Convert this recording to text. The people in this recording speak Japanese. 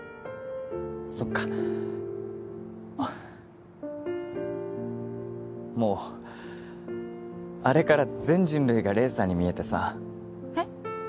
そっかもうあれから全人類が黎さんに見えてさえっ？